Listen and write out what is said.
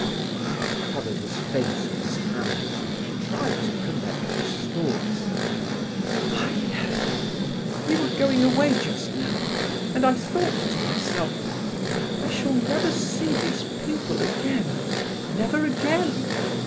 He covered his face with his hands and tried to collect his thoughts. "Ah, yes—you were going away just now, and I thought to myself: 'I shall never see these people again—never again!